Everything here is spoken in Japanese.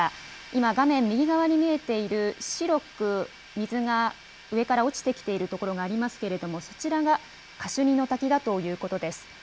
今、画面右側に見えている、白く水が上から落ちてきている所がありますけれども、そちらがカシュニの滝だということです。